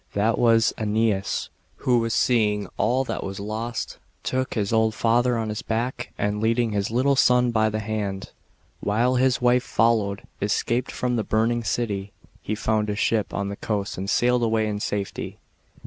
That was ^Eneas, who, seeing that all was lost, took his old father on his back, and leading his little son by the hand, while his wife followed, escaped from the burning city. He found a ship on the coast and sailed away in safety.